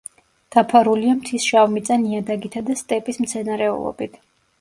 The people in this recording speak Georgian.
დაფარულია მთის შავმიწა ნიადაგითა და სტეპის მცენარეულობით.